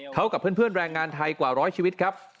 เขากับเพื่อนแรงงานไทยกว่าร้อยชีวิตครับ